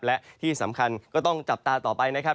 และที่สำคัญก็ต้องจับตาต่อไปนะครับ